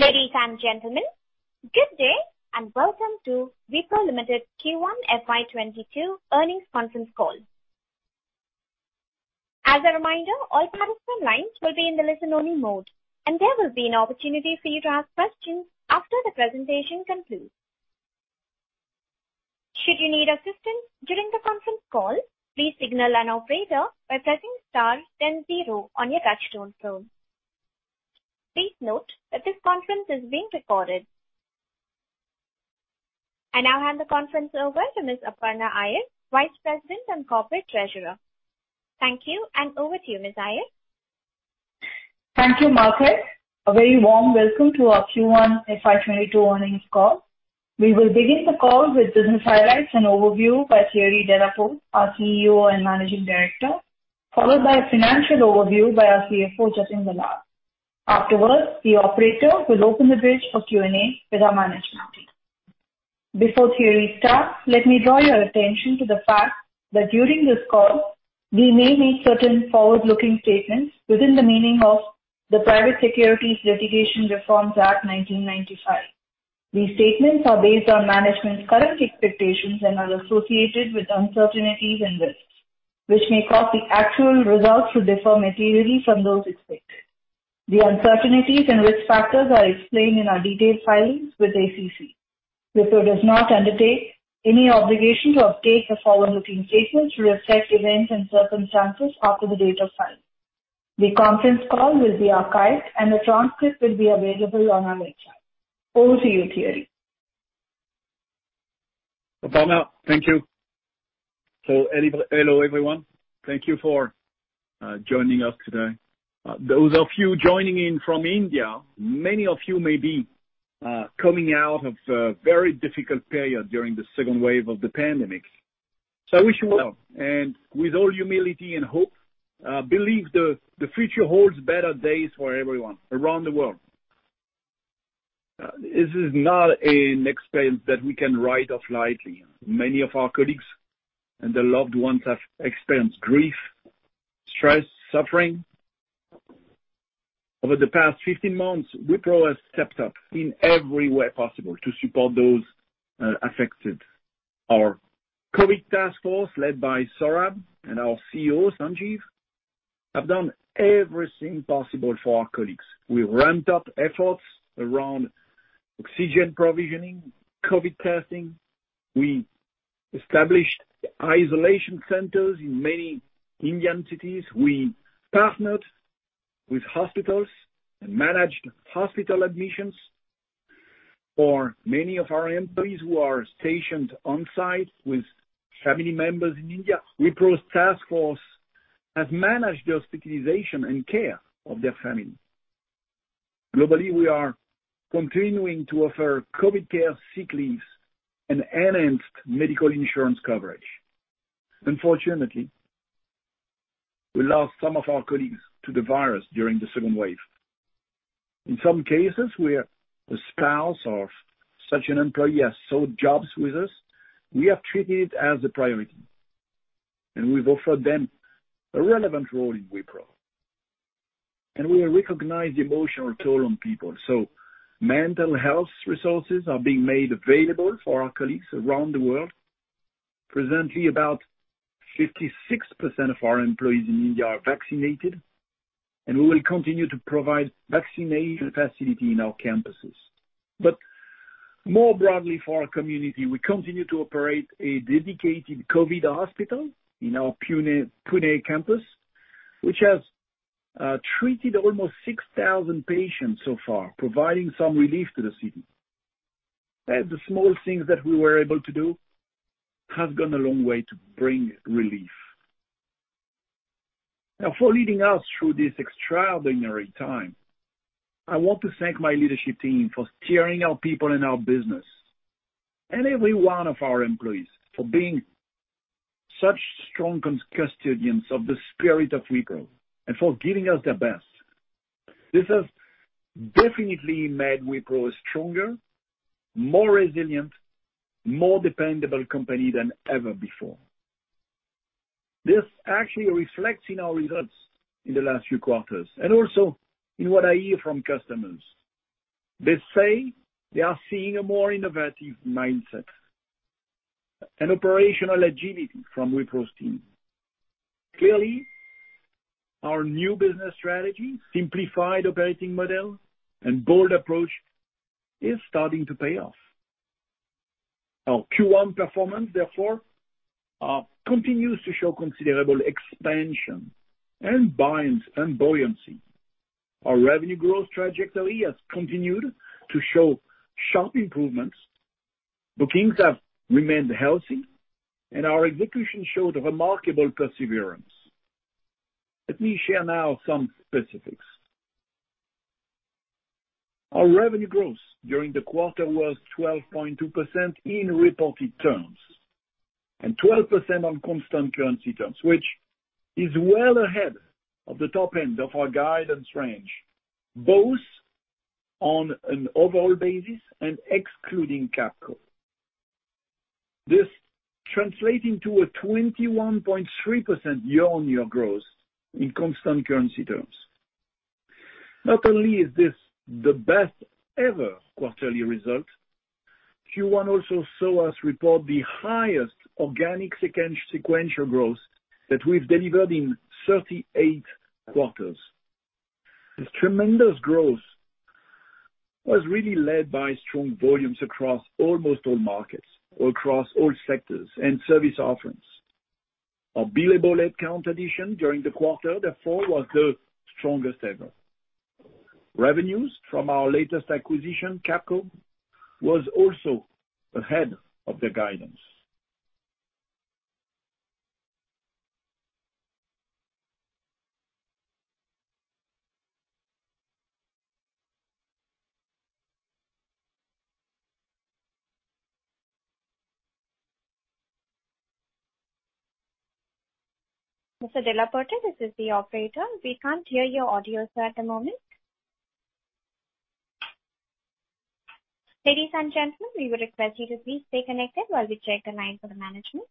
Ladies and gentlemen, good day, and welcome to Wipro Limited Q1 FY 2022 earnings conference call. Now I hand the conference over to Ms. Aparna Iyer, Vice President and Corporate Treasurer. Thank you, and over to you, Ms. Iyer. Thank you, Margaret. A very warm welcome to our Q1 FY 2022 earnings call. We will begin the call with business highlights and overview by Thierry Delaporte, our CEO and Managing Director, followed by a financial overview by our CFO, Jatin Dalal. Afterwards, the operator will open the bridge for Q&A with our management team. Before Thierry starts, let me draw your attention to the fact that during this call, we may make certain forward-looking statements within the meaning of the Private Securities Litigation Reform Act of 1995. These statements are based on management's current expectations and are associated with uncertainties and risks, which may cause the actual results to differ materially from those expected. The uncertainties and risk factors are explained in our detailed filings with SEC. Wipro does not undertake any obligation to update the forward-looking statements to reflect events and circumstances after the date of filing. The conference call will be archived, and the transcript will be available on our website. Over to you, Thierry. Aparna, thank you. Hello, everyone. Thank you for joining us today. Those of you joining in from India, many of you may be coming out of a very difficult period during the second wave of the pandemic. I wish you well, and with all humility and hope, I believe the future holds better days for everyone around the world. This is not a next phase that we can write off lightly. Many of our colleagues and their loved ones have experienced grief, stress, suffering. Over the past 15 months, Wipro has stepped up in every way possible to support those affected. Our COVID task force, led by Saurabh and our COO, Sanjeev, have done everything possible for our colleagues. We ramped up efforts around oxygen provisioning, COVID testing. We established isolation centers in many Indian cities. We partnered with hospitals and managed hospital admissions. For many of our employees who are stationed on-site with family members in India, Wipro's task force has managed the hospitalization and care of their family. Globally, we are continuing to offer COVID care sick leaves and enhanced medical insurance coverage. Unfortunately, we lost some of our colleagues to the virus during the second wave. In some cases, where a spouse of such an employee has sought jobs with us, we have treated it as a priority, and we've offered them a relevant role in Wipro. We recognize the emotional toll on people, so mental health resources are being made available for our colleagues around the world. Presently, about 56% of our employees in India are vaccinated, and we will continue to provide vaccination facility in our campuses. More broadly for our community, we continue to operate a dedicated COVID hospital in our Pune campus, which has treated almost 6,000 patients so far, providing some relief to the city. The small things that we were able to do have gone a long way to bring relief. Now, for leading us through this extraordinary time, I want to thank my leadership team for steering our people and our business, and every one of our employees for being such strong custodians of the spirit of Wipro and for giving us their best. This has definitely made Wipro a stronger, more resilient, more dependable company than ever before. This actually reflects in our results in the last few quarters and also in what I hear from customers. They say they are seeing a more innovative mindset and operational agility from Wipro's team. Clearly, our new business strategy, simplified operating model, and bold approach is starting to pay off. Our Q1 performance, therefore, continues to show considerable expansion and buoyancy. Our revenue growth trajectory has continued to show sharp improvements. Bookings have remained healthy. Our execution showed remarkable perseverance. Let me share now some specifics. Our revenue growth during the quarter was 12.2% in reported terms and 12% on constant currency terms, which is well ahead of the top end of our guidance range, both on an overall basis and excluding Capco, this translating to a 21.3% year-on-year growth in constant currency terms. Not only is this the best ever quarterly result, Q1 also saw us report the highest organic sequential growth that we've delivered in 38 quarters. This tremendous growth was really led by strong volumes across almost all markets, across all sectors and service offerings. Our billable head count addition during the quarter, therefore, was the strongest ever. Revenues from our latest acquisition, Capco, was also ahead of the guidance. Mr. Delaporte, this is the operator. We can't hear your audio, sir, at the moment. Ladies and gentlemen, we would request you to please stay connected while we check the line for the management.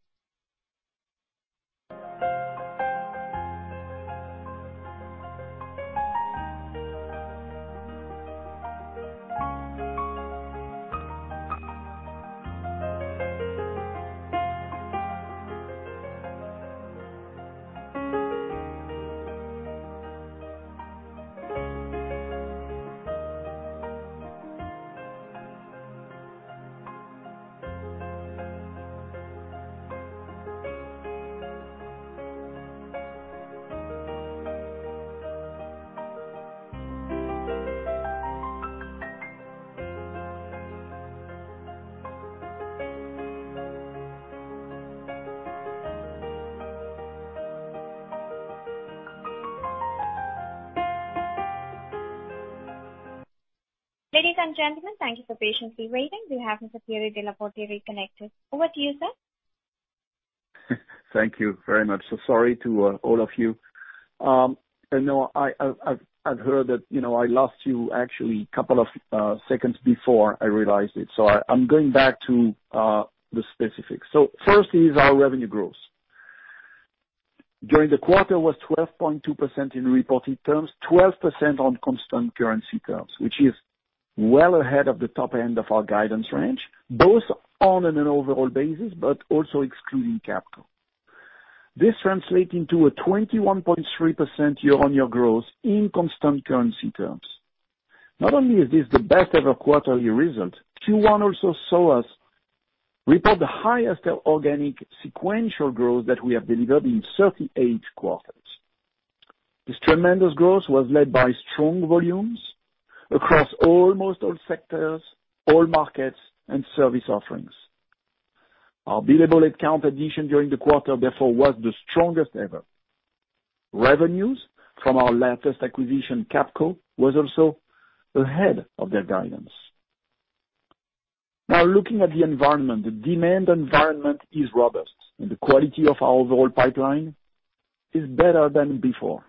Ladies and gentlemen, thank you for patiently waiting. We have Mr. Thierry Delaporte reconnected. Over to you, sir. Thank you very much. Sorry to all of you. I know I've heard that I lost you actually a couple of seconds before I realized it. I'm going back to the specifics. First is our revenue growth. During the quarter was 12.2% in reported terms, 12% on constant currency terms, which is well ahead of the top end of our guidance range, both on an overall basis, but also excluding Capco. This translating to a 21.3% year-on-year growth in constant currency terms. Not only is this the best ever quarterly result, Q1 also saw us report the highest organic sequential growth that we have delivered in 38 quarters. This tremendous growth was led by strong volumes across almost all sectors, all markets, and service offerings. Our billable head count addition during the quarter, therefore, was the strongest ever. Revenues from our latest acquisition, Capco, was also ahead of their guidance. Looking at the environment, the demand environment is robust, and the quality of our overall pipeline is better than before.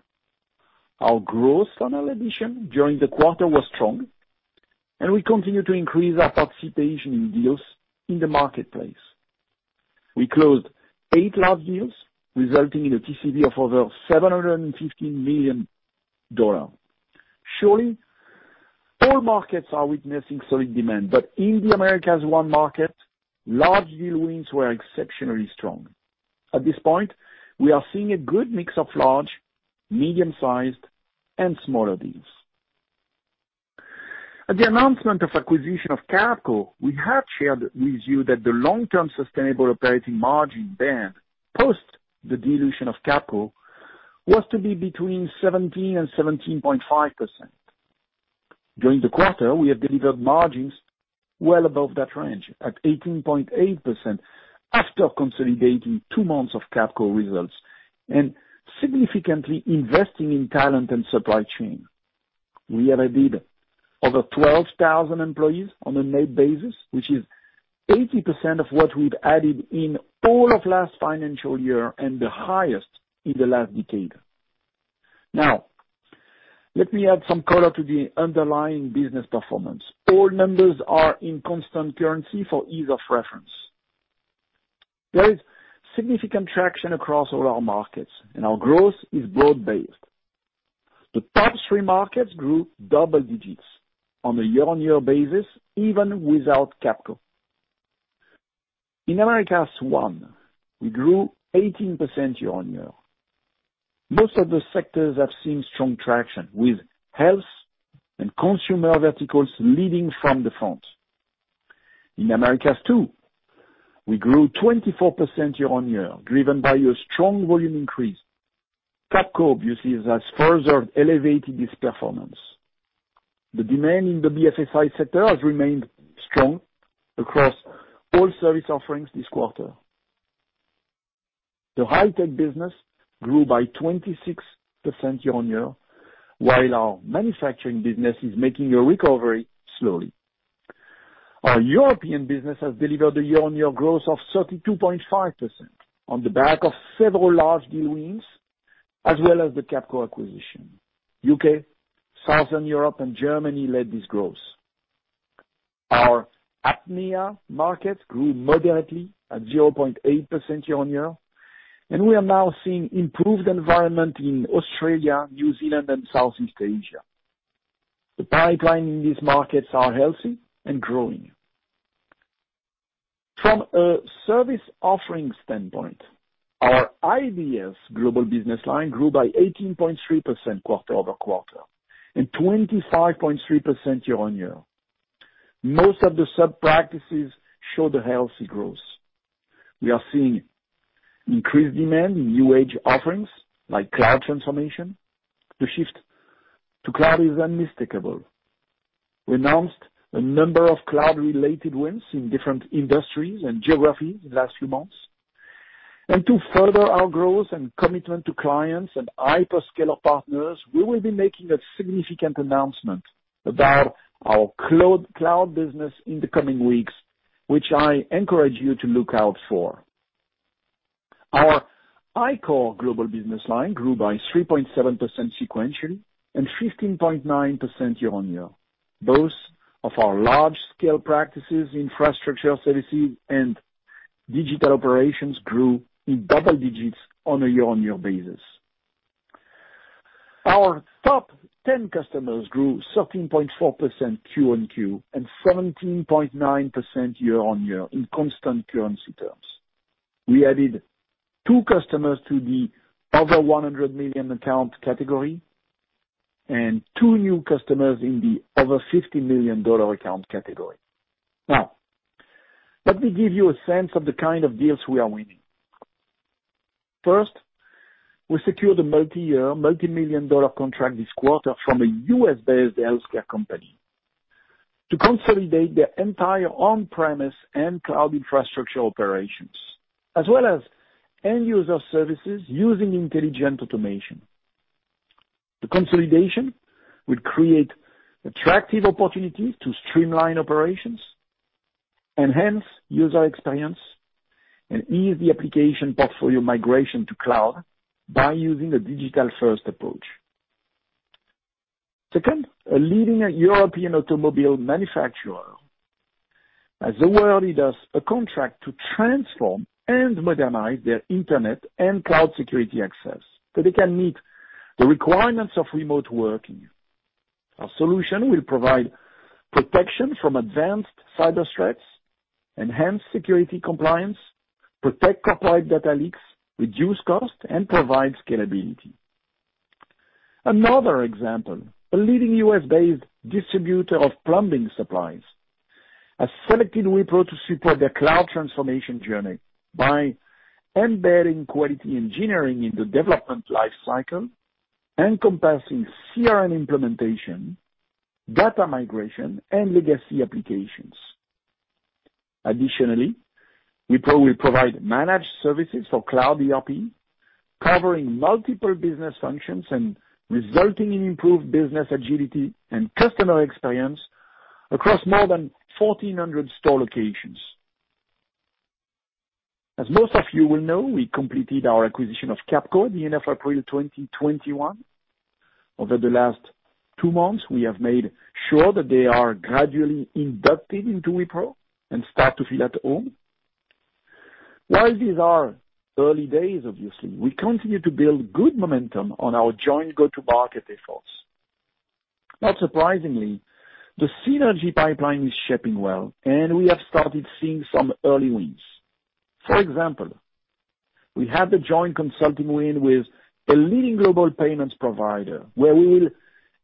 Our growth order addition during the quarter was strong, and we continue to increase our participation in deals in the marketplace. We closed eight large deals, resulting in a TCV of over $715 million. Surely, all markets are witnessing solid demand. In the Americas 1 market, large deal wins were exceptionally strong. At this point, we are seeing a good mix of large, medium-sized, and smaller deals. At the announcement of acquisition of Capco, we had shared with you that the long-term sustainable operating margin band, post the dilution of Capco, was to be between 17% and 17.5%. During the quarter, we have delivered margins well above that range, at 18.8%, after consolidating two months of Capco results and significantly investing in talent and supply chain. We added over 12,000 employees on a net basis, which is 80% of what we've added in all of last financial year and the highest in the last decade. Let me add some color to the underlying business performance. All numbers are in constant currency for ease of reference. There is significant traction across all our markets, and our growth is broad-based. The top three markets grew double digits on a year-on-year basis, even without Capco. In Americas 1, we grew 18% year-on-year. Most of the sectors have seen strong traction, with health and consumer verticals leading from the front. In Americas 2, we grew 24% year-on-year, driven by a strong volume increase. Capco obviously has further elevated this performance. The demand in the BFSI sector has remained strong across all service offerings this quarter. The high-tech business grew by 26% year-on-year, while our manufacturing business is making a recovery slowly. Our European business has delivered a year-on-year growth of 32.5% on the back of several large deal wins as well as the Capco acquisition. U.K., Southern Europe, and Germany led this growth. Our APMEA markets grew moderately at 0.8% year-on-year, and we are now seeing improved environment in Australia, New Zealand, and Southeast Asia. The pipeline in these markets are healthy and growing. From a service offering standpoint, our iDEAS global business line grew by 18.3% quarter-over-quarter, and 25.3% year-on-year. Most of the sub-practices show the healthy growth. We are seeing increased demand in new age offerings like cloud transformation. The shift to cloud is unmistakable. We announced a number of cloud-related wins in different industries and geographies in last few months. To further our growth and commitment to clients and hyperscaler partners, we will be making a significant announcement about our cloud business in the coming weeks, which I encourage you to look out for. Our iCORE global business line grew by 3.7% sequentially and 15.9% year-on-year. Both of our large-scale practices, infrastructure services and digital operations grew in double digits on a year-on-year basis. Our top 10 customers grew 13.4% Q-on-Q and 17.9% year-on-year in constant currency terms. We added two customers to the over $100 million account category and two new customers in the over $50 million account category. Let me give you a sense of the kind of deals we are winning. First, we secured a multi-year, multi-million dollar contract this quarter from a U.S.-based healthcare company to consolidate their entire on-premise and cloud infrastructure operations, as well as end-user services using intelligent automation. The consolidation would create attractive opportunities to streamline operations, enhance user experience, and ease the application portfolio migration to cloud by using a digital-first approach. Second, a leading European automobile manufacturer has awarded us a contract to transform and modernize their internet and cloud security access so they can meet the requirements of remote working. Our solution will provide protection from advanced cyber threats, enhance security compliance, protect corporate data leaks, reduce cost, and provide scalability. Another example, a leading U.S.-based distributor of plumbing supplies, has selected Wipro to support their cloud transformation journey by embedding quality engineering in the development life cycle, encompassing CRM implementation, data migration, and legacy applications. Additionally, Wipro will provide managed services for cloud ERP, covering multiple business functions and resulting in improved business agility and customer experience across more than 1,400 store locations. As most of you will know, we completed our acquisition of Capco at the end of April 2021. Over the last two months, we have made sure that they are gradually inducted into Wipro and start to feel at home. While these are early days, obviously, we continue to build good momentum on our joint go-to-market efforts. Not surprisingly, the synergy pipeline is shaping well, and we have started seeing some early wins. For example, we have the joint consulting win with a leading global payments provider where we will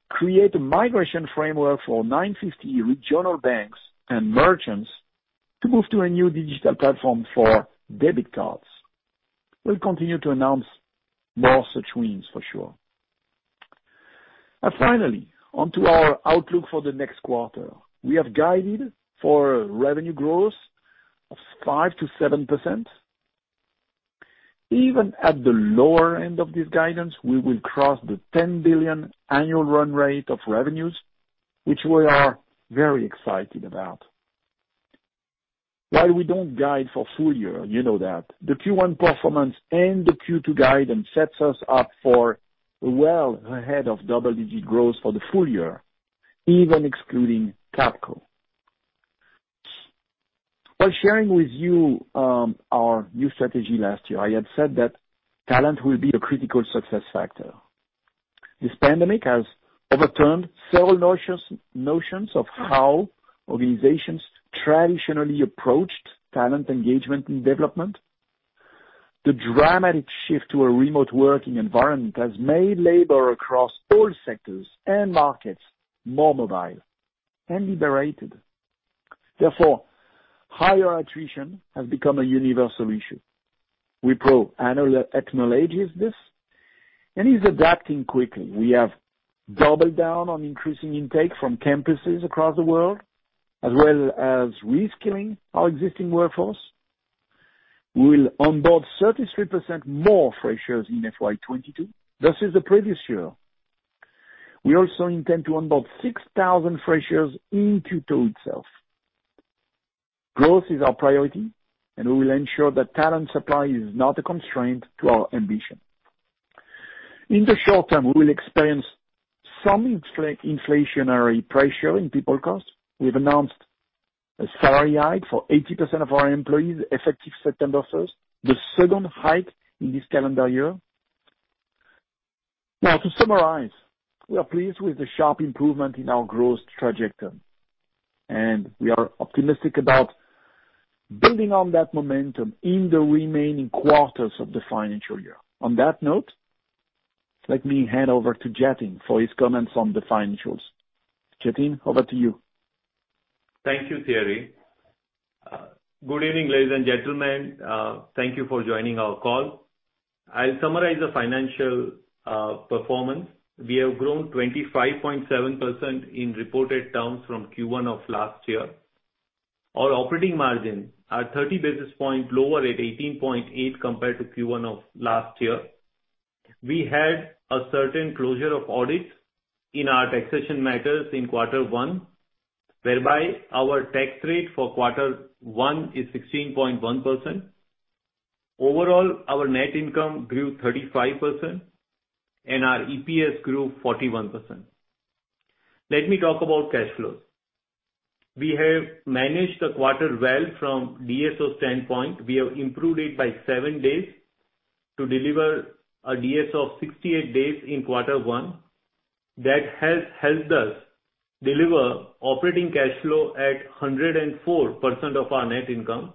create a migration framework for 950 regional banks and merchants to move to a new digital platform for debit cards. We'll continue to announce more such wins for sure. Finally, onto our outlook for the next quarter. We have guided for revenue growth of 5%-7%. Even at the lower end of this guidance, we will cross the $10 billion annual run rate of revenues, which we are very excited about. While we don't guide for full year, you know that, the Q1 performance and the Q2 guidance sets us up for well ahead of double-digit growth for the full year, even excluding Capco. While sharing with you our new strategy last year, I had said that talent will be the critical success factor. This pandemic has overturned several notions of how organizations traditionally approached talent engagement and development. The dramatic shift to a remote working environment has made labor across all sectors and markets more mobile and liberated. Therefore, higher attrition has become a universal issue. Wipro acknowledges this and is adapting quickly. We have doubled down on increasing intake from campuses across the world, as well as reskilling our existing workforce. We will onboard 33% more freshers in FY 2022 versus the previous year. We also intend to onboard 6,000 freshers in Q2 itself. Growth is our priority, and we will ensure that talent supply is not a constraint to our ambition. In the short term, we will experience some inflationary pressure in people costs. We've announced a salary hike for 80% of our employees effective September 1st, the second hike in this calendar year. Now, to summarize, we are pleased with the sharp improvement in our growth trajectory, and we are optimistic about building on that momentum in the remaining quarters of the financial year. On that note, let me hand over to Jatin for his comments on the financials. Jatin, over to you. Thank you, Thierry. Good evening, ladies and gentlemen. Thank you for joining our call. I'll summarize the financial performance. We have grown 25.7% in reported terms from Q1 of last year. Our operating margin are 30 basis points lower at 18.8% compared to Q1 of last year. We had a certain closure of audits in our taxation matters in quarter one, whereby our tax rate for quarter one is 16.1%. Overall, our net income grew 35%, and our EPS grew 41%. Let me talk about cash flows. We have managed the quarter well from DSO standpoint. We have improved it by seven days to deliver a DSO of 68 days in quarter one. That has helped us deliver operating cash flow at 104% of our net income,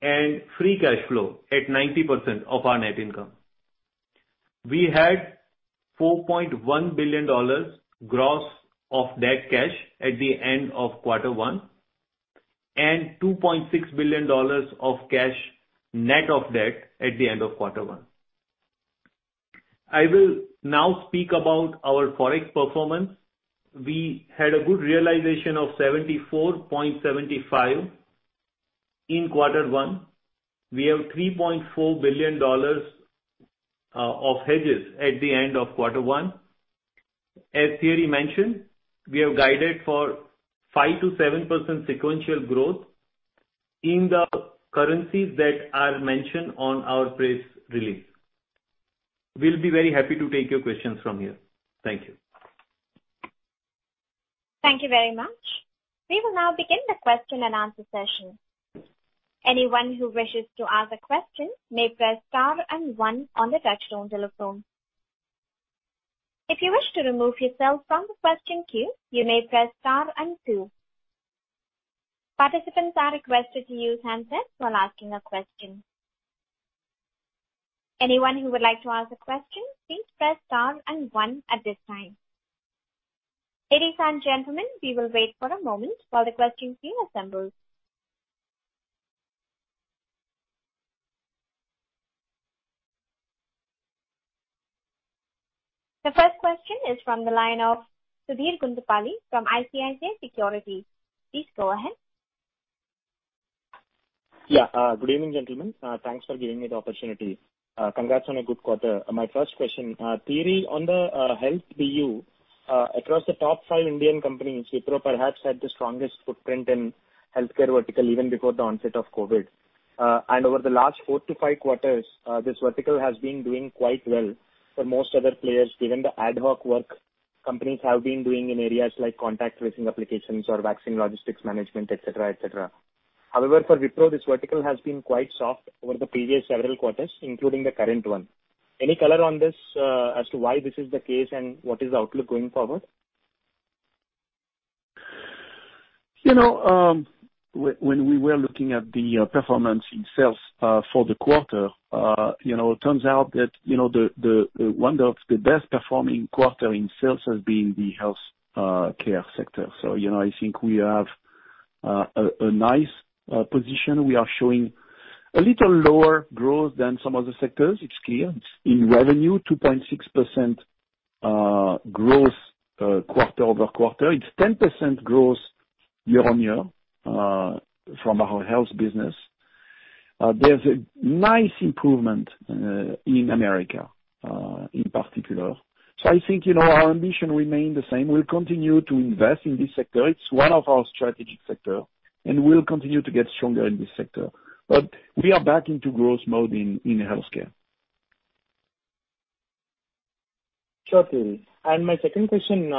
and free cash flow at 90% of our net income. We had $4.1 billion gross of that cash at the end of quarter one, and $2.6 billion of cash net of debt at the end of quarter one. I will now speak about our ForEx performance. We had a good realization of 74.75 in quarter one. We have $3.4 billion of hedges at the end of quarter one. As Thierry mentioned, we have guided for 5%-7% sequential growth in the currencies that are mentioned on our press release. We'll be very happy to take your questions from here. Thank you. Thank you very much. We will now begin the question-and-answer session. Anyone who wishes to ask a question may press star and one on the touchtone telephone. If you wish to remove yourself from the question queue, you may press star and two. Participants are requested to use handsets while asking a question. Anyone who would like to ask a question, please press star and one at this time. Ladies and gentlemen, we will wait for a moment while the question queue assembles. The first question is from the line of Sudheer Guntupalli from ICICI Securities. Please go ahead. Yeah. Good evening, gentlemen. Thanks for giving me the opportunity. Congrats on a good quarter. My first question, Thierry, on the health BU, across the top five Indian companies, Wipro perhaps had the strongest footprint in healthcare vertical even before the onset of COVID. Over the last four to five quarters, this vertical has been doing quite well for most other players, given the ad hoc work companies have been doing in areas like contact tracing applications or vaccine logistics management, et cetera. However, for Wipro, this vertical has been quite soft over the previous several quarters, including the current one. Any color on this, as to why this is the case and what is the outlook going forward? When we were looking at the performance in sales for the quarter, it turns out that one of the best performing quarter in sales has been the healthcare sector. I think we have a nice position. We are showing a little lower growth than some other sectors. It's clear. In revenue, 2.6% growth quarter-over-quarter. It's 10% growth year-on-year from our health business. There's a nice improvement in America, in particular. I think our ambition remains the same. We'll continue to invest in this sector. It's one of our strategic sector, and we'll continue to get stronger in this sector. But we are back into growth mode in healthcare. Sure, Thierry. My second question,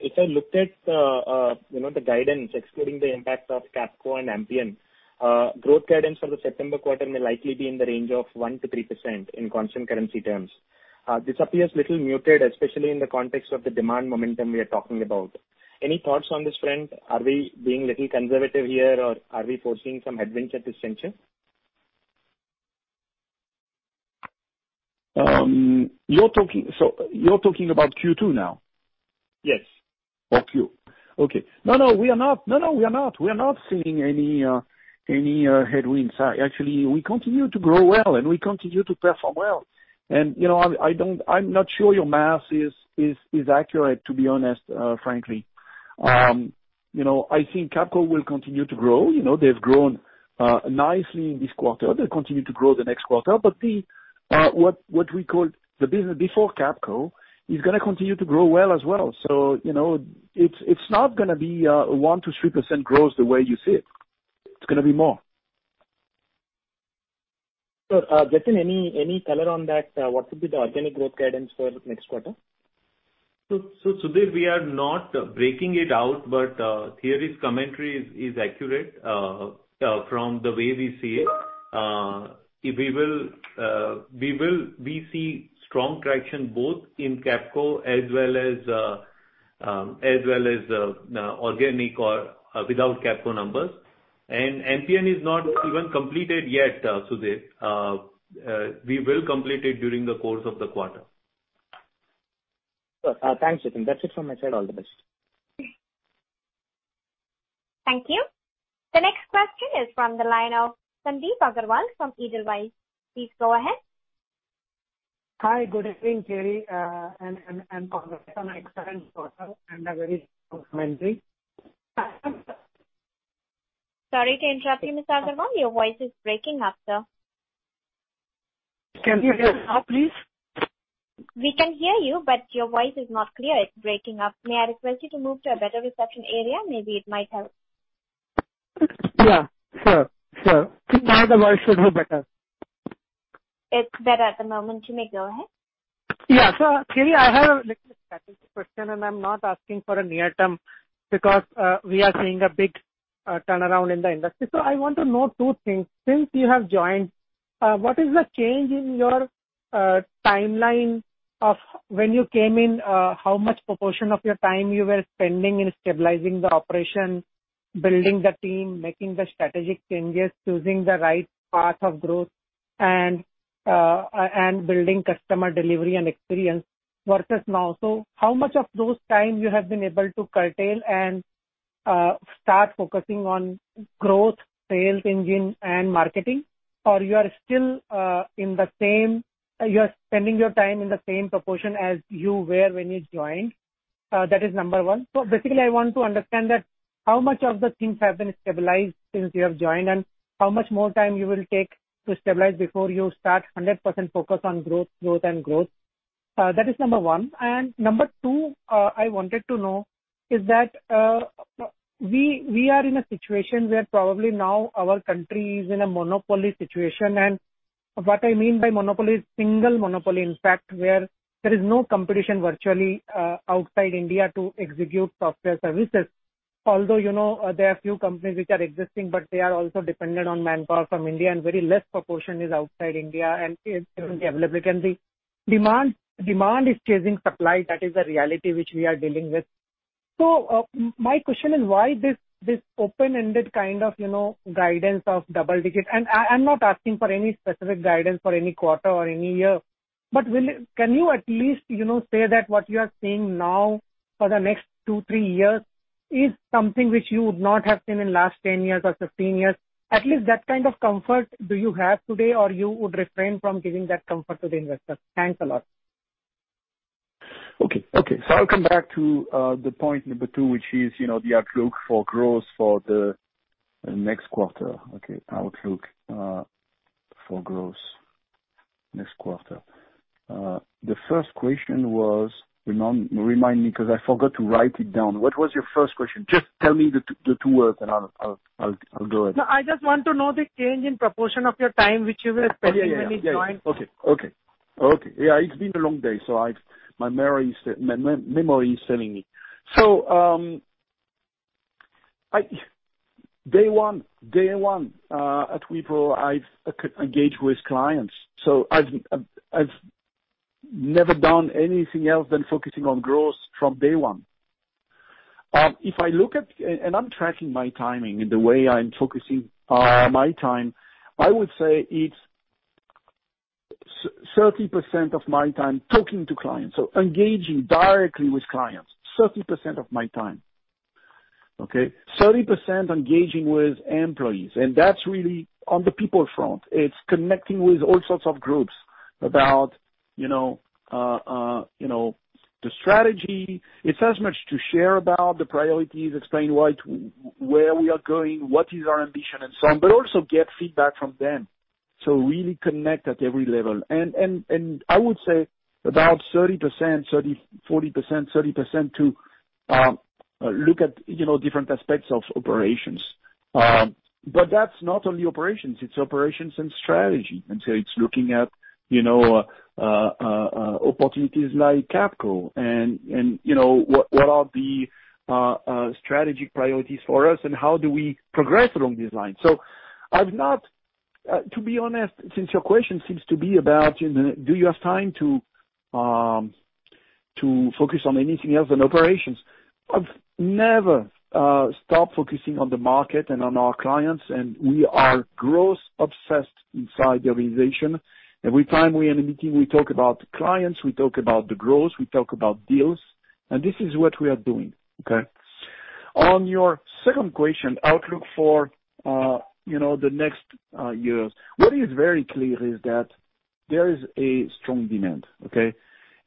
if I looked at the guidance excluding the impact of Capco and Ampion, growth guidance for the September quarter may likely be in the range of 1%-3% in constant currency terms. This appears a little muted, especially in the context of the demand momentum we are talking about. Any thoughts on this front? Are we being a little conservative here, or are we foreseeing some headwinds at this juncture? You're talking about Q2 now? Yes. Okay. No, we are not. We are not seeing any headwinds. Actually, we continue to grow well, and we continue to perform well. I'm not sure your math is accurate, to be honest, frankly. I think Capco will continue to grow. They've grown nicely in this quarter. They'll continue to grow the next quarter. See, what we call the business before Capco is going to continue to grow well as well. It's not going to be a 1%-3% growth the way you see it. It's going to be more. Jatin any color on that? What will be the organic growth guidance for the next quarter? Sudheer, we are not breaking it out, but Thierry's commentary is accurate from the way we see it. We see strong traction both in Capco as well as organic or without Capco numbers. Ampion is not even completed yet, Sudheer. We will complete it during the course of the quarter. Thanks, Jatin. That's it from my side. All the best. Thank you. The next question is from the line of Sandip Agarwal from Edelweiss. Please go ahead. Hi, good evening, Thierry, and partners. Sorry to interrupt you, Mr. Agarwal. Your voice is breaking up, sir. Can you hear me now, please? We can hear you, but your voice is not clear. It's breaking up. May I request you to move to a better reception area? Maybe it might help. Yeah, sure. Now the voice should be better. It's better at the moment. You may go ahead. Thierry, I have a little strategic question, and I'm not asking for a near-term because we are seeing a big turnaround in the industry. I want to know two things. Since you have joined, what is the change in your timeline of when you came in, how much proportion of your time you were spending in stabilizing the operation, building the team, making the strategic changes, choosing the right path of growth, and building customer delivery and experience versus now? How much of those times you have been able to curtail and start focusing on growth, sales engine, and marketing? You are still you're spending your time in the same proportion as you were when you joined. That is number one. Basically, I want to understand that how much of the things have been stabilized since you have joined, and how much more time you will take to stabilize before you start 100% focus on growth, and growth. That is number one. Number two, I wanted to know is that we are in a situation where probably now our country is in a monopoly situation. What I mean by monopoly is single monopoly, in fact, where there is no competition virtually outside India to execute software services. Although there are few companies which are existing, they are also dependent on manpower from India and very less proportion is outside India and is available. The demand is chasing supply. That is the reality which we are dealing with. My question is, why this open-ended kind of guidance of double digits? I'm not asking for any specific guidance for any quarter or any year. Can you at least say that what you are seeing now for the next two, three years is something which you would not have seen in last 10 years or 15 years? At least that kind of comfort do you have today, or you would refrain from giving that comfort to the investor? Thanks a lot. Okay. I'll come back to the point number two, which is the outlook for growth for the next quarter. Okay, outlook for growth next quarter. The first question was, remind me because I forgot to write it down. What was your first question? Just tell me the two words and I'll do it. No, I just want to know the change in proportion of your time which you were spending when you joined. Yeah. Okay. It's been a long day, so my memory is failing me. Day one at Wipro, I engage with clients. I've never done anything else than focusing on growth from day one. I'm tracking my timing and the way I'm focusing my time. I would say it's 30% of my time talking to clients. Engaging directly with clients, 30% of my time. Okay. 30% engaging with employees, and that's really on the people front. It's connecting with all sorts of groups about the strategy. It's as much to share about the priorities, explain where we are going, what is our ambition, and so on, but also get feedback from them. Really connect at every level. I would say about 30%, 40%, 30% to look at different aspects of operations. That's not only operations, it's operations and strategy. It's looking at opportunities like Capco and what are the strategic priorities for us and how do we progress along these lines. To be honest, since your question seems to be about do you have time to focus on anything else than operations? I've never stopped focusing on the market and on our clients, and we are growth obsessed inside the organization. Every time we are in a meeting, we talk about the clients, we talk about the growth, we talk about deals, and this is what we are doing. Okay. On your second question, outlook for the next years. What is very clear is that there is a strong demand.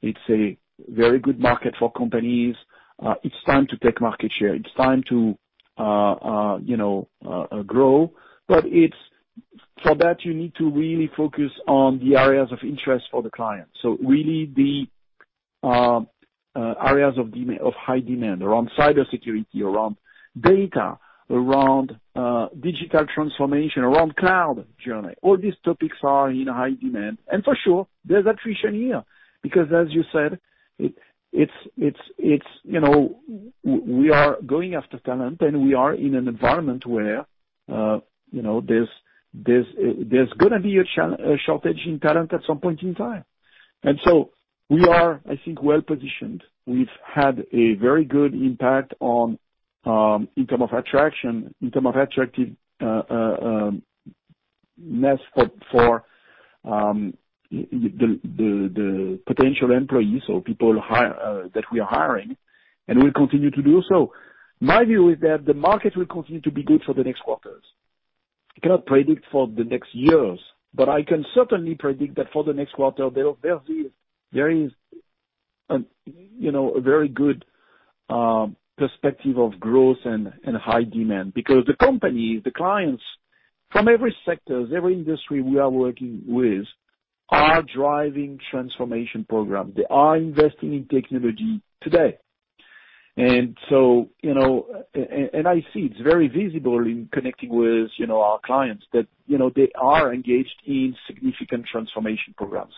It's a very good market for companies. It's time to take market share. It's time to grow. For that, you need to really focus on the areas of interest for the client. Really, the areas of high demand around cybersecurity, around data, around digital transformation, around cloud journey, all these topics are in high demand. For sure, there's attrition here, because as you said, we are going after talent, and we are in an environment where there's going to be a shortage in talent at some point in time. We are, I think, well-positioned. We've had a very good impact on in terms of attraction, in terms of attractive net for the potential employees or people that we are hiring, and we'll continue to do so. My view is that the market will continue to be good for the next quarters. I cannot predict for the next years, but I can certainly predict that for the next quarter, there is a very good perspective of growth and high demand. The company, the clients from every sector, every industry we are working with, are driving transformation programs. They are investing in technology today. I see it's very visible in connecting with our clients that they are engaged in significant transformation programs.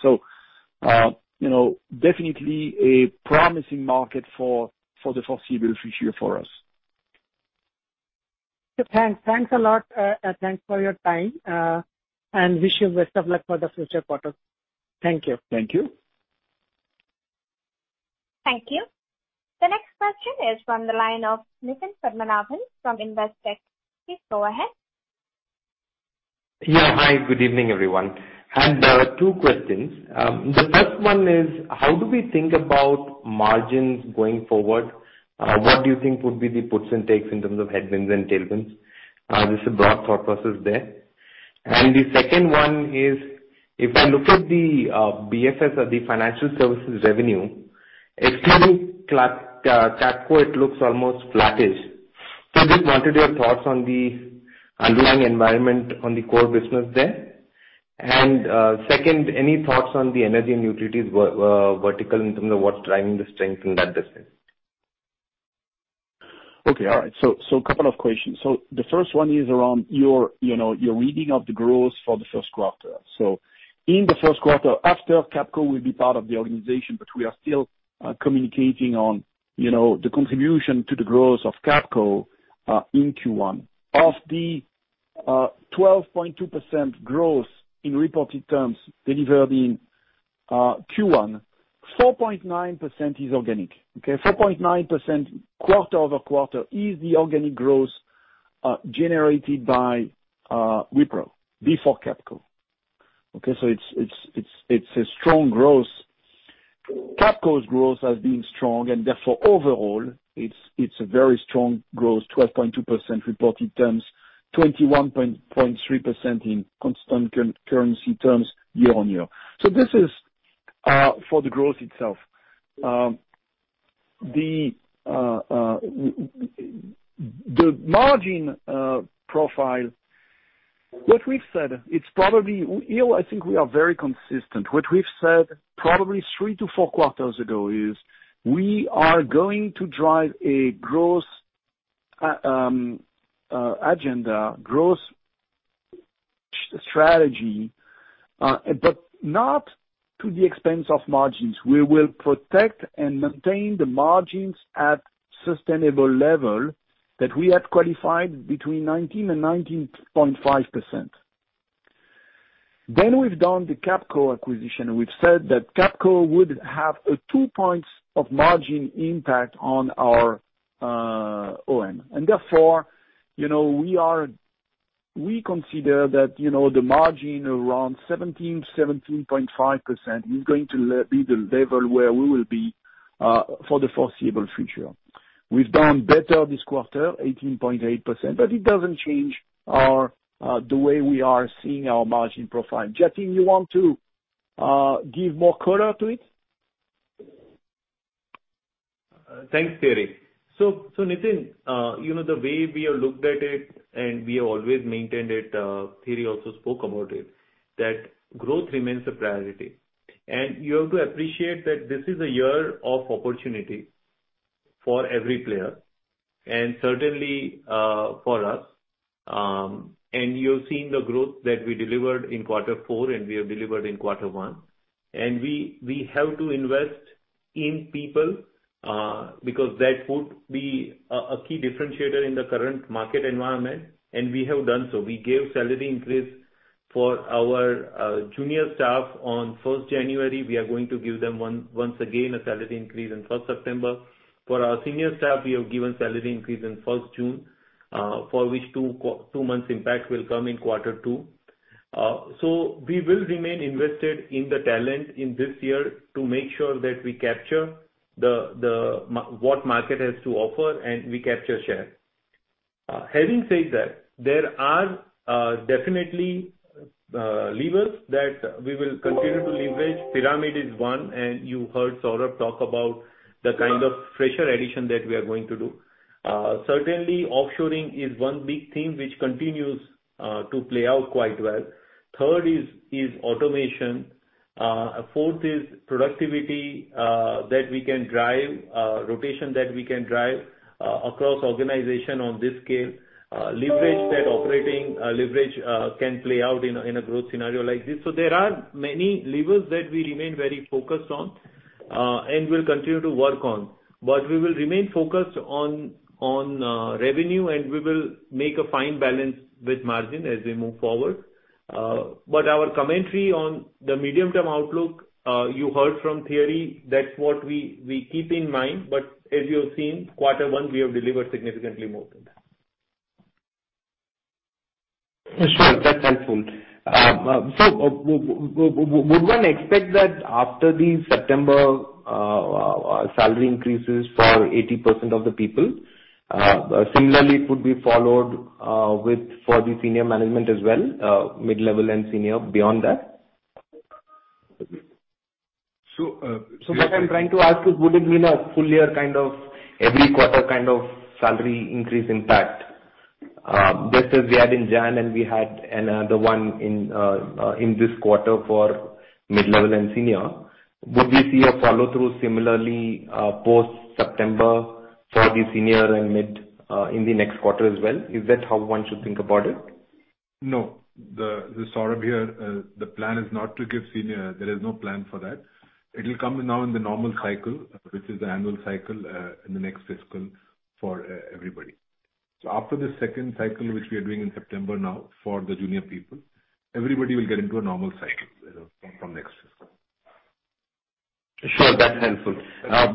Definitely a promising market for the foreseeable future for us. Thanks a lot. Thanks for your time. Wish you the best of luck for the future quarter. Thank you. Thank you. Thank you. The next question is from the line of Nitin Padmanabhan from Investec. Please go ahead. Yeah. Hi, good evening, everyone. I had two questions. The first one is, how do we think about margins going forward? What do you think would be the puts and takes in terms of headwinds and tailwinds? Just a broad thought process there. The second one is, if I look at the BFSI or the financial services revenue, excluding Capco, it looks almost flattish. Just wanted your thoughts on the underlying environment on the core business there. Second, any thoughts on the Energy and Utilities vertical in terms of what's driving the strength in that business? Okay. All right. Couple of questions. The first one is around your reading of the growth for the first quarter. In the first quarter, after Capco will be part of the organization, but we are still communicating on the contribution to the growth of Capco in Q1. Of the 12.2% growth in reported terms delivered in Q1, 4.9% is organic. 4.9% quarter-over-quarter is the organic growth generated by Wipro before Capco. It's a strong growth. Capco's growth has been strong, and therefore overall, it's a very strong growth, 12.2% reported terms, 21.3% in constant currency terms year-over-year. This is for the growth itself. The margin profile, what we've said, I think we are very consistent. What we've said probably three to four quarters ago is we are going to drive a growth agenda, growth strategy, but not to the expense of margins. We will protect and maintain the margins at sustainable level that we have qualified between 19%-19.5%. We've done the Capco acquisition. We've said that Capco would have a 2 points of margin impact on our OM. Therefore, we consider that the margin around 17%-17.5% is going to be the level where we will be for the foreseeable future. We've done better this quarter, 18.8%, but it doesn't change the way we are seeing our margin profile. Jatin, you want to give more color to it? Thanks, Thierry. Nitin, the way we have looked at it, and we have always maintained it, Thierry also spoke about it, that growth remains a priority. You have to appreciate that this is a year of opportunity for every player, and certainly for us. You've seen the growth that we delivered in quarter four and we have delivered in quarter one. We have to invest in people because that would be a key differentiator in the current market environment, and we have done so. We gave salary increase for our junior staff on January 1st. We are going to give them once again a salary increase in September 1st. For our senior staff, we have given salary increase in June 1st, for which two months impact will come in quarter two. We will remain invested in the talent in this year to make sure that we capture what market has to offer and we capture share. Having said that, there are definitely levers that we will continue to leverage. Pyramid is one, and you heard Saurabh talk about the kind of fresher addition that we are going to do. Certainly, offshoring is one big thing which continues to play out quite well. Third is automation. Fourth is productivity that we can drive, rotation that we can drive across organization on this scale. Leverage that operating leverage can play out in a growth scenario like this. There are many levers that we remain very focused on and will continue to work on. We will remain focused on revenue, and we will make a fine balance with margin as we move forward. Our commentary on the medium-term outlook, you heard from Thierry, that's what we keep in mind. As you have seen, quarter one, we have delivered significantly more than that. Sure. That's helpful. Would one expect that after the September salary increases for 80% of the people, similarly, it would be followed for the senior management as well, mid-level and senior beyond that? So- What I'm trying to ask is, would it be a full year, every quarter kind of salary increase impact? Just as we had in January and we had another one in this quarter for mid-level and senior. Would we see a follow-through similarly post September for the senior and mid in the next quarter as well? Is that how one should think about it? No, Saurabh here. The plan is not to give senior. There is no plan for that. It will come now in the normal cycle, which is the annual cycle, in the next fiscal for everybody. After the second cycle, which we are doing in September now for the junior people, everybody will get into a normal cycle from next fiscal. Sure. That's helpful.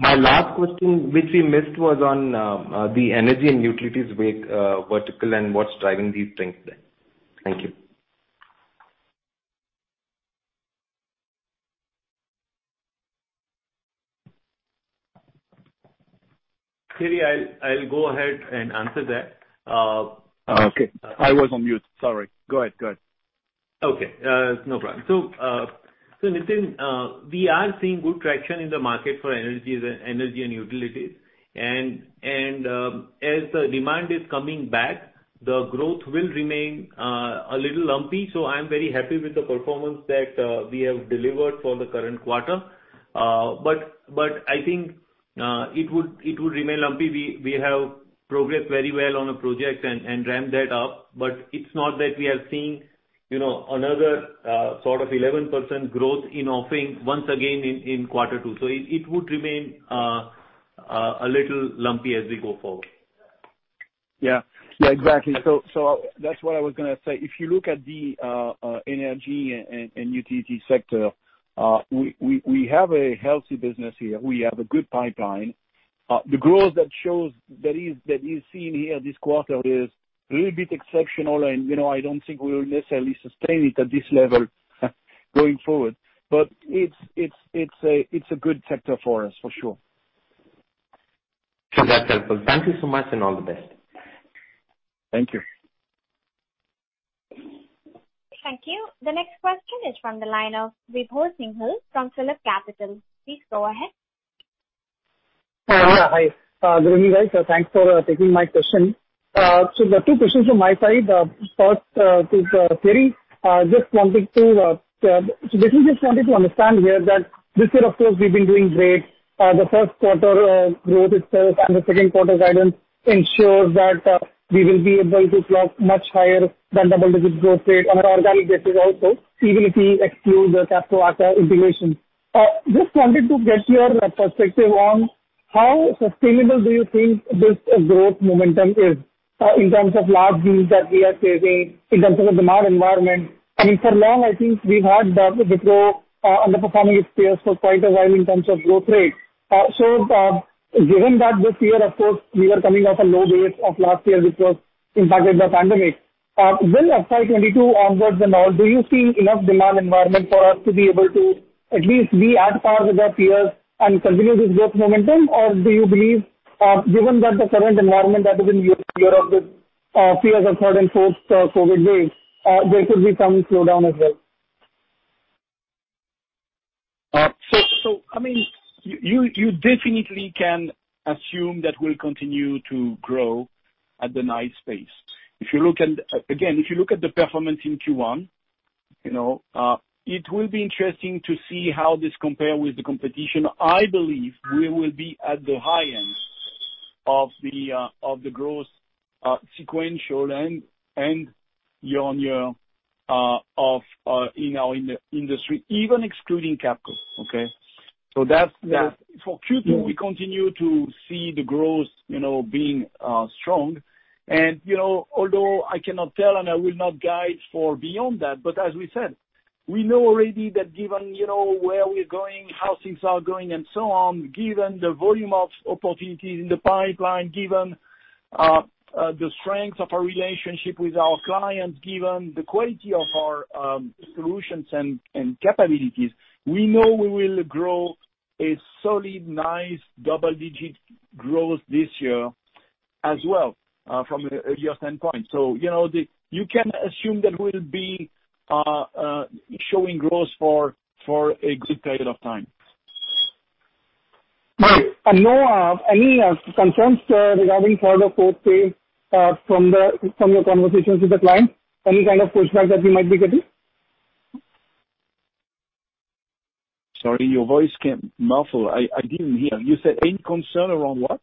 My last question, which we missed, was on the Energy and Utilities vertical and what's driving these trends then? Thank you. Thierry, I'll go ahead and answer that. Okay. I was on mute. Sorry. Go ahead. Okay, no problem. Nitin, we are seeing good traction in the market for Energy and Utilities. As the demand is coming back, the growth will remain a little lumpy. I'm very happy with the performance that we have delivered for the current quarter. I think it would remain lumpy. We have progressed very well on a project and ramped that up, but it's not that we are seeing another sort of 11% growth in offering once again in quarter two. It would remain a little lumpy as we go forward. Exactly. That's what I was going to say. If you look at the energy and utility sector, we have a healthy business here. We have a good pipeline. The growth that you're seeing here this quarter is a little bit exceptional, and I don't think we'll necessarily sustain it at this level going forward. It's a good sector for us, for sure. Sure. That's helpful. Thank you so much, and all the best. Thank you. Thank you. The next question is from the line of Vibhor Singhal from Phillip Capital. Please go ahead. Hi. Thanks for taking my question. There are two questions from my side. First, to Thierry just wanted to understand here that this year, of course, we've been doing great. The first quarter growth itself and the second quarter guidance ensure that we will be able to clock much higher than double-digit growth rate on organic basis also if we exclude the Capco integration. Just wanted to get your perspective on how sustainable do you think this growth momentum is in terms of large wins that we are seeing, in terms of the demand environment? I mean, for long, I think we've had Wipro underperforming peers for quite a while in terms of growth rate. Given that this year, of course, we are coming off a low base of last year, which was impacted by pandemic. Will FY 2022 onwards now, do you see enough demand environment for us to be able to at least be at par with our peers and continue this growth momentum? Or do you believe, given that the current environment that is in Europe fears of third and fourth COVID wave, there could be some slowdown as well? You definitely can assume that we'll continue to grow at a nice pace. If you look at the performance in Q1, it will be interesting to see how this compare with the competition. I believe we will be at the high end of the growth sequential and year-on-year in our industry, even excluding Capco, okay? That's for Q2, we continue to see the growth being strong. Although I cannot tell and I will not guide for beyond that, as we said, we know already that given where we're going, how things are going, and so on, given the volume of opportunities in the pipeline, given the strength of our relationship with our clients, given the quality of our solutions and capabilities, we know we will grow a solid, nice double-digit growth this year as well from a year standpoint. You can assume that we'll be showing growth for a good period of time. No, any concerns regarding third or fourth wave from your conversations with the client? Any kind of pushback that you might be getting? Sorry, your voice came muffled. I didn't hear. You said any concern around what?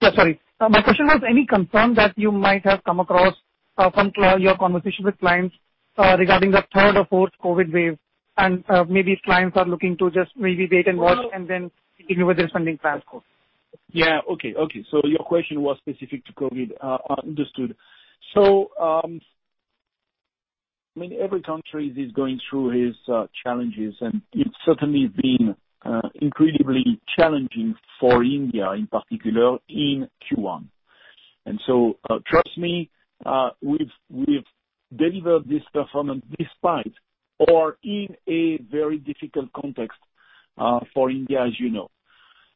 Yeah, sorry. My question was, any concern that you might have come across from your conversation with clients regarding the third or fourth COVID wave and maybe clients are looking to just maybe wait and watch and then continue with their spending plans? Yeah. Okay. Your question was specific to COVID. Understood. Every country is going through its challenges, and it's certainly been incredibly challenging for India, in particular, in Q1. Trust me, we've delivered this performance despite or in a very difficult context for India, as you know.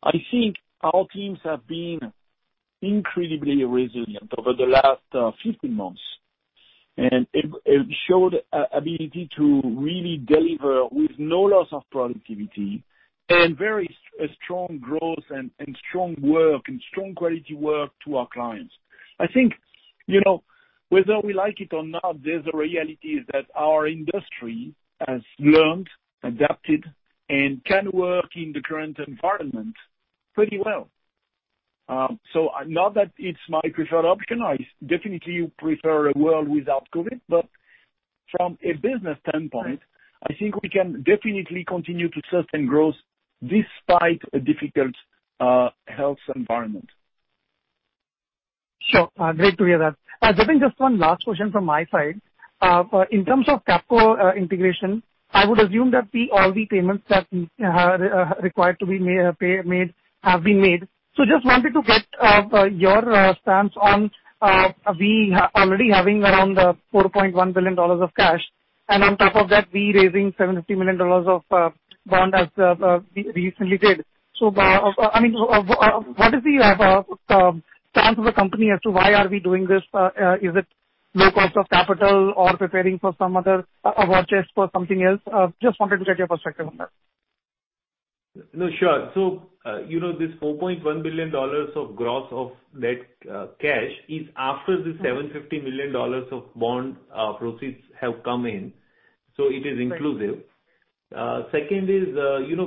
I think our teams have been incredibly resilient over the last 15 months. It showed ability to really deliver with no loss of productivity and very strong growth and strong work and strong quality work to our clients. I think, whether we like it or not, there's a reality is that our industry has learned, adapted, and can work in the current environment pretty well. Not that it's my preferred option. I definitely prefer a world without COVID. From a business standpoint, I think we can definitely continue to sustain growth despite a difficult health environment. Sure. Great to hear that. Jatin, just one last question from my side. In terms of Capco integration, I would assume that all the payments that are required to be made have been made. Just wanted to get your stance on we already having around $4.1 billion of cash, and on top of that, we raising $750 million of bond as we recently did. What is the stance of the company as to why are we doing this? Is it low cost of capital or preparing for some other war chest for something else? Just wanted to get your perspective on that. No, sure. This $4.1 billion of gross of net cash is after the $750 million of bond proceeds have come in. It is inclusive. Second is,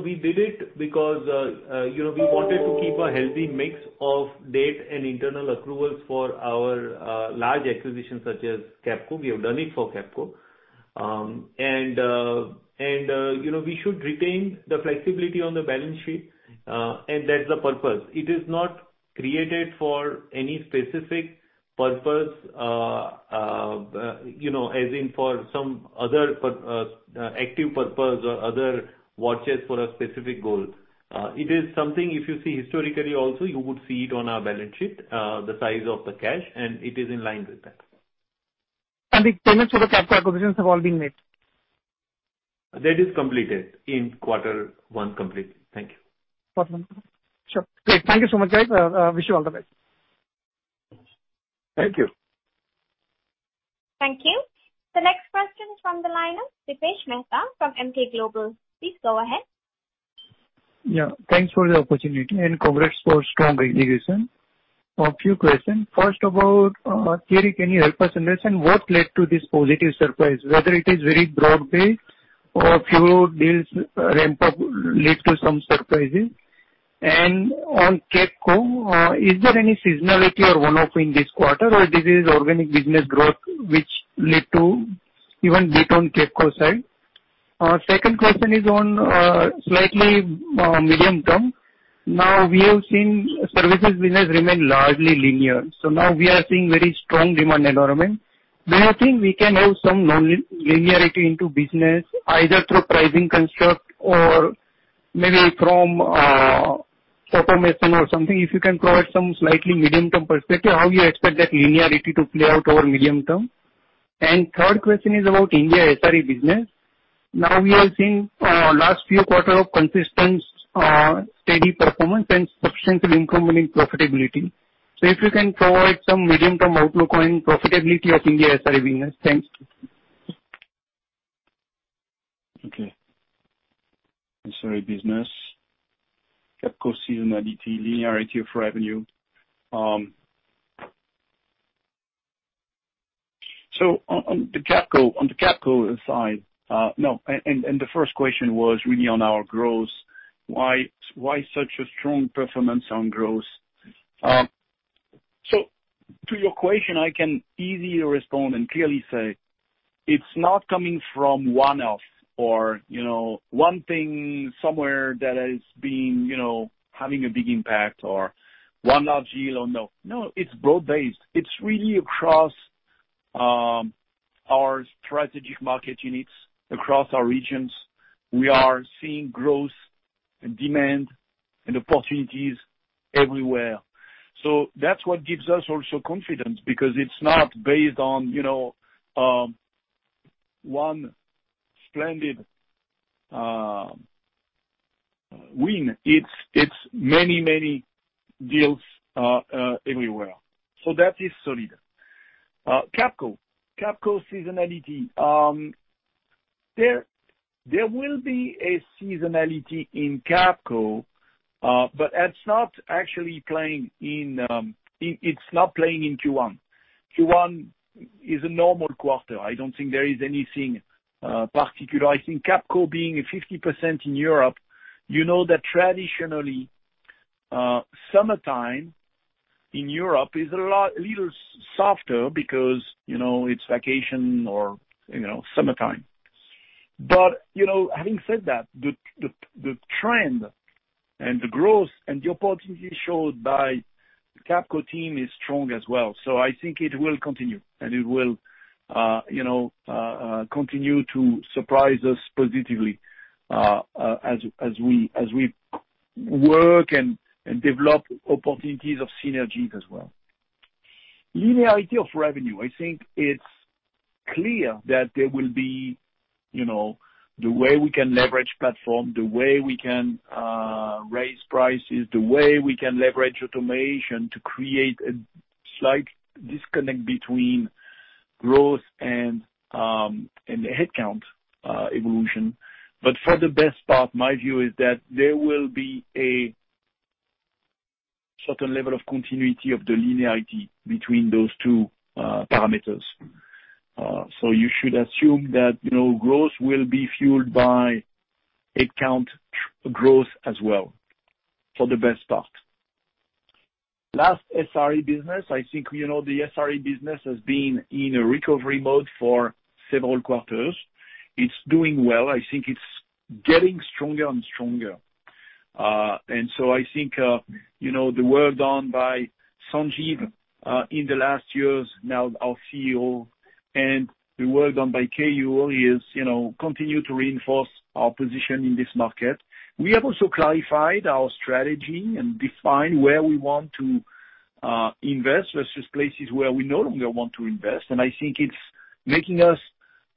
we did it because we wanted to keep a healthy mix of debt and internal accruals for our large acquisitions such as Capco. We have done it for Capco. We should retain the flexibility on the balance sheet, and that's the purpose. It is not created for any specific purpose, as in for some other active purpose or other war chest for a specific goal. It is something if you see historically also, you would see it on our balance sheet, the size of the cash, and it is in line with that. The payments for the Capco acquisition have all been made? That is completed in quarter one complete. Thank you. Quarter one complete. Sure. Great. Thank you so much, guys. Wish you all the best. Thank you. Thank you. The next question is from the line of Dipesh Mehta from Emkay Global. Please go ahead. Thanks for the opportunity and congrats for strong integration. A few questions. First about Thierry, can you help us understand what led to this positive surprise, whether it is very broad-based or a few deals ramp up lead to some surprises? On Capco, is there any seasonality or one-off in this quarter, or this is organic business growth which lead to even beat on Capco side? Second question is on slightly medium term. Now we have seen services business remain largely linear. We are seeing very strong demand environment. Do you think we can have some non-linearity into business either through pricing construct or maybe from automation or something? If you can provide some slightly medium-term perspective, how you expect that linearity to play out over medium term? Third question is about India SRE business. Now we are seeing last few quarter of consistent steady performance and substantial improvement in profitability. If you can provide some medium-term outlook on profitability of India SRE business? Thanks. Okay. ISRE business, Capco seasonality, linearity of revenue. On the Capco side, no, and the first question was really on our growth, why such a strong performance on growth? To your question, I can easily respond and clearly say it's not coming from one-off or one thing somewhere that is having a big impact or one large deal or no. No, it's broad-based. It's really across our strategic market units, across our regions. We are seeing growth and demand and opportunities everywhere. That's what gives us also confidence because it's not based on one splendid win. It's many, many deals everywhere. That is solid. Capco. Capco seasonality. There will be a seasonality in Capco, but it's not playing in Q1. Q1 is a normal quarter. I don't think there is anything particular. I think Capco being 50% in Europe, you know that traditionally, summertime in Europe is a little softer because it's vacation or summertime. Having said that, the trend and the growth and the opportunity showed by Capco team is strong as well. I think it will continue, and it will continue to surprise us positively as we work and develop opportunities of synergies as well. Linearity of revenue. I think it's clear that there will be the way we can leverage platform, the way we can raise prices, the way we can leverage automation to create a slight disconnect between growth and headcount evolution. For the best part, my view is that there will be a certain level of continuity of the linearity between those two parameters. You should assume that growth will be fueled by headcount growth as well, for the best part. Last, ISRE business. I think the ISRE business has been in a recovery mode for several quarters. It's doing well. I think it's getting stronger and stronger. I think the work done by Sanjeev in the last years, now our COO, and the work done by Keyur is continue to reinforce our position in this market. We have also clarified our strategy and defined where we want to invest versus places where we no longer want to invest. I think it's making us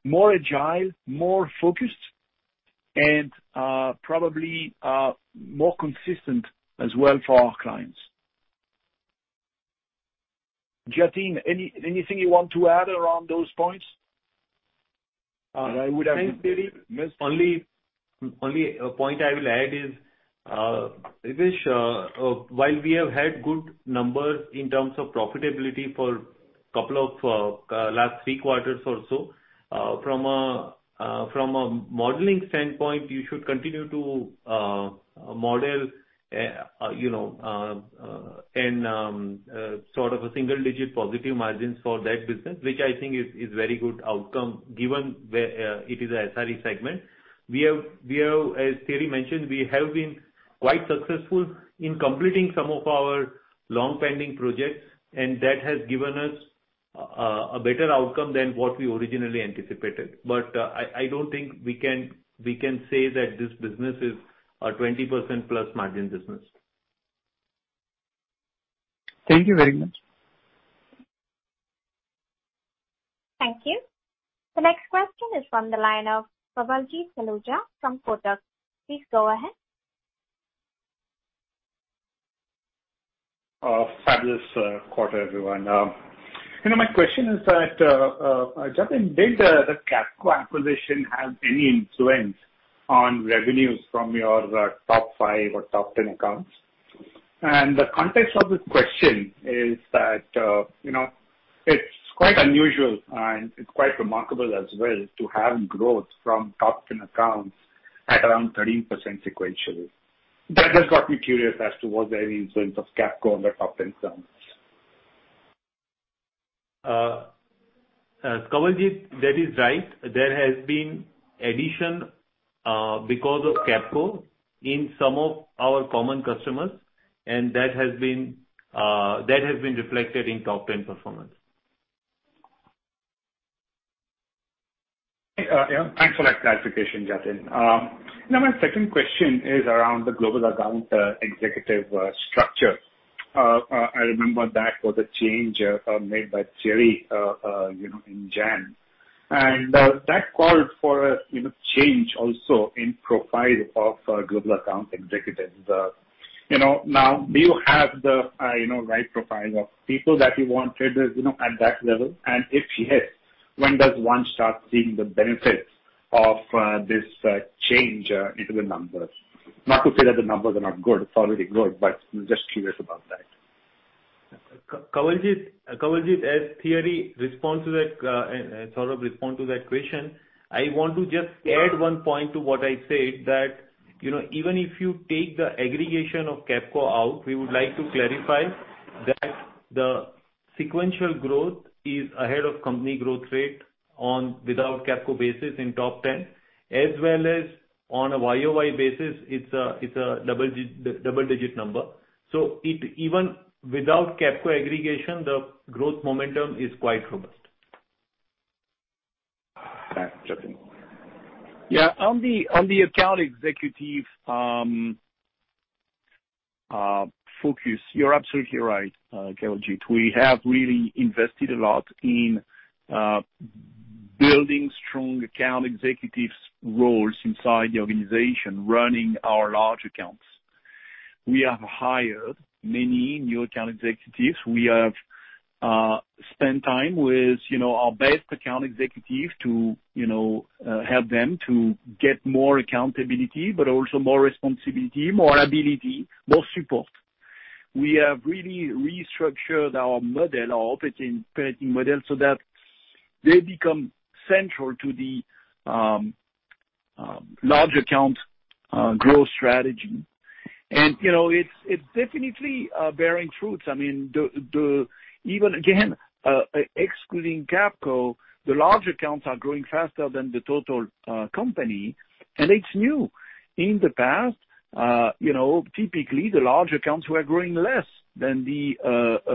more agile, more focused, and probably more consistent as well for our clients. Jatin, anything you want to add around those points? Thanks, Thierry. Only point I will add is, Dipesh Mehta, while we have had good numbers in terms of profitability for last three quarters or so, from a modeling standpoint, you should continue to model in sort of a single-digit positive margins for that business, which I think is very good outcome given it is an ISRE segment. As Thierry mentioned, we have been quite successful in completing some of our long-pending projects, that has given us a better outcome than what we originally anticipated. I don't think we can say that this business is a 20%+ margin business. Thank you very much. Thank you. The next question is from the line of Kawaljeet Saluja from Kotak. Please go ahead. Fabulous quarter, everyone. My question is that, Jatin, did the Capco acquisition have any influence on revenues from your top five or top 10 accounts? The context of this question is that it's quite unusual and it's quite remarkable as well to have growth from top 10 accounts at around 13% sequentially. That has got me curious as to was there any influence of Capco on the top 10 accounts. Kawaljeet, that is right. There has been addition because of Capco in some of our common customers, and that has been reflected in top 10 performance. Yeah. Thanks for that clarification, Jatin. My second question is around the global account executive structure. I remember that was a change made by Thierry in January. That called for a change also in profile of global account executives. Do you have the right profile of people that you wanted at that level? If yes, when does one start seeing the benefits of this change into the numbers? Not to say that the numbers are not good, it's already good, but I'm just curious about that. Kawaljeet, as Thierry Delaporte sort of respond to that question, I want to just add one point to what I said that, even if you take the aggregation of Capco out, we would like to clarify that the sequential growth is ahead of company growth rate without Capco basis in top 10, as well as on a YoY basis, it's a double-digit number. Even without Capco aggregation, the growth momentum is quite robust. Sure. Yeah, on the account executive focus, you're absolutely right, Kawaljeet. We have really invested a lot in building strong account executives roles inside the organization, running our large accounts. We have hired many new account executives. We have spent time with our best account executives to help them to get more accountability, but also more responsibility, more ability, more support. We have really restructured our model, our operating model, so that they become central to the large account growth strategy. It's definitely bearing fruits. Even again, excluding Capco, the large accounts are growing faster than the total company, and it's new. In the past, typically, the large accounts were growing less than the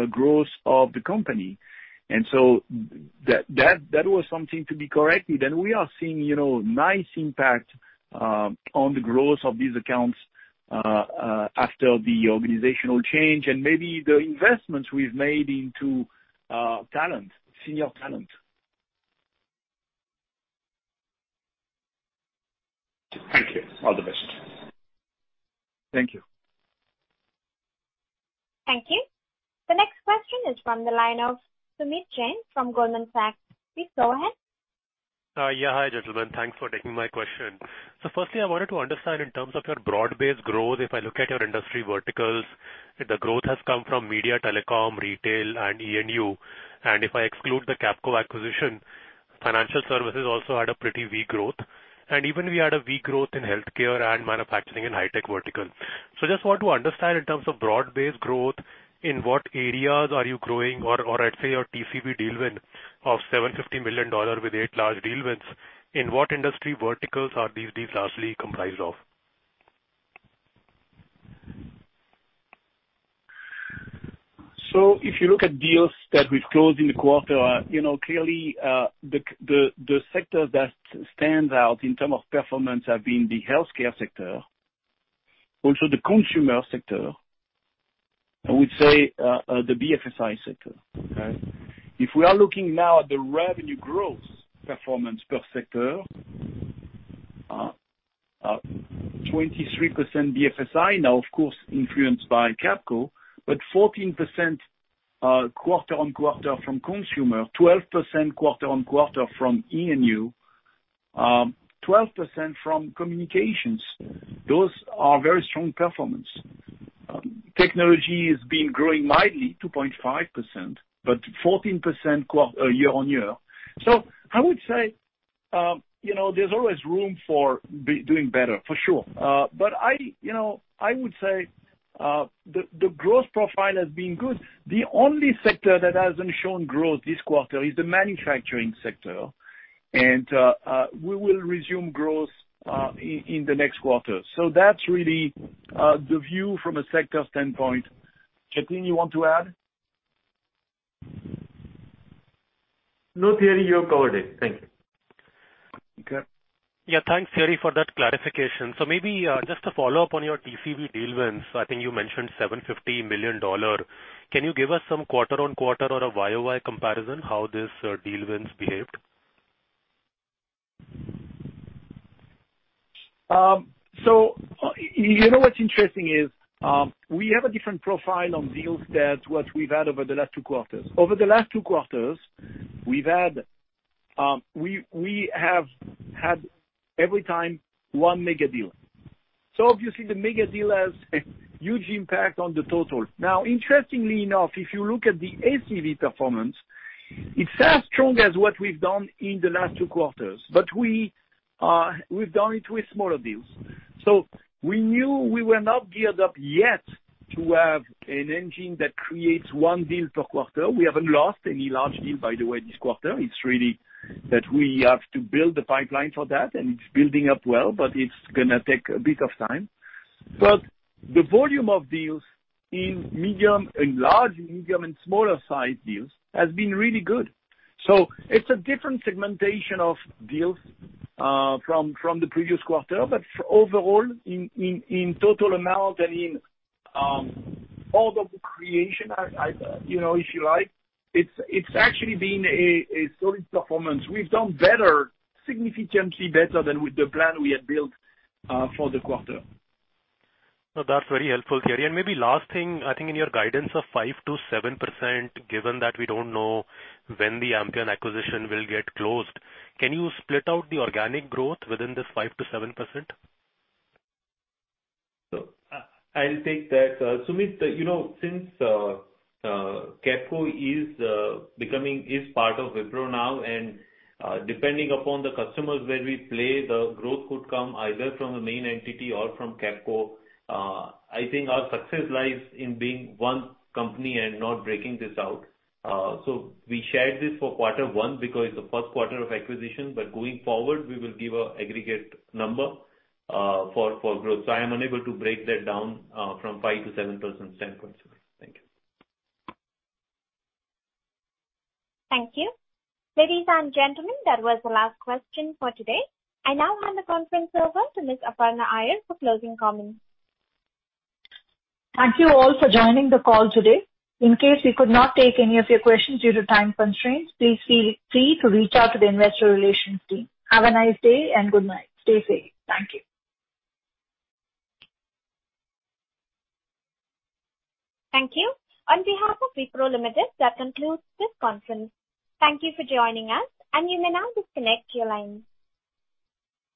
growth of the company. That was something to be corrected. We are seeing nice impact on the growth of these accounts after the organizational change and maybe the investments we've made into talent, senior talent. Thank you. All the best. Thank you. Thank you. The next question is from the line of Sumeet Jain from Goldman Sachs. Please go ahead. Yeah. Hi, gentlemen. Thanks for taking my question. Firstly, I wanted to understand in terms of your broad-based growth, if I look at your industry verticals, the growth has come from media, telecom, retail, and E&U. If I exclude the Capco acquisition, financial services also had a pretty weak growth. Even we had a weak growth in healthcare and manufacturing and high tech verticals. I just want to understand in terms of broad-based growth, in what areas are you growing or let's say your TCV deal wins of $750 million with eight large deal wins, in what industry verticals are these deals largely comprised of? If you look at deals that we closed in the quarter, clearly, the sector that stands out in terms of performance have been the healthcare sector, also the consumer sector. I would say the BFSI sector. Okay. If we are looking now at the revenue growth performance per sector, 23% BFSI, now of course influenced by Capco, but 14% quarter-on-quarter from consumer, 12% quarter-on-quarter from E&U, 12% from communications. Those are very strong performance. Technology has been growing lightly 2.5%, but 14% year-on-year. I would say there's always room for doing better, for sure. I would say the growth profile has been good. The only sector that hasn't shown growth this quarter is the manufacturing sector. We will resume growth in the next quarter. That's really the view from a sector standpoint. Jatin, you want to add? No, Thierry. You covered it. Thank you. Yeah. Thanks, Thierry, for that clarification. Maybe just a follow-up on your TCV deal wins. I think you mentioned $750 million. Can you give us some quarter-on-quarter or a YoY comparison how these deal wins behaved? You know what's interesting is, we have a different profile on deals than what we've had over the last two quarters. Over the last two quarters, we have had every time one mega deal. Obviously, the mega deal has a huge impact on the total. Now, interestingly enough, if you look at the ACV performance, it's as strong as what we've done in the last two quarters, but we've done it with smaller deals. We knew we were not geared up yet to have an engine that creates one deal per quarter. We haven't lost any large deal, by the way, this quarter. It's really that we have to build the pipeline for that, and it's building up well, but it's going to take a bit of time. The volume of deals in medium and large, medium, and smaller-sized deals has been really good. It's a different segmentation of deals from the previous quarter. Overall, in total amount and in all the creation, if you like, it's actually been a solid performance. We've done better, significantly better than with the plan we had built for the quarter. That's very helpful, Thierry. Maybe last thing, I think in your guidance of 5%-7%, given that we don't know when the Ampion acquisition will get closed, can you split out the organic growth within this 5%-7%? I'll take that. Sumeet, since Capco is part of Wipro now, and depending upon the customers where we play, the growth could come either from the main entity or from Capco. I think our success lies in being one company and not breaking this out. We shared this for quarter one because it's the first quarter of acquisition, but going forward, we will give an aggregate number for growth. I'm unable to break that down from 5%-7% point of view. Thank you. Thank you. Ladies and gentlemen, that was the last question for today. I now hand the conference over to Ms. Aparna Iyer for closing comments. Thank you all for joining the call today. In case we could not take any of your questions due to time constraints, please feel free to reach out to the investor relations team. Have a nice day and good night. Stay safe. Thank you. Thank you. On behalf of Wipro Limited, that concludes this conference. Thank you for joining us, and you may now disconnect your lines.